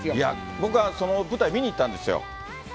僕はその舞台、見に行ったんですよ。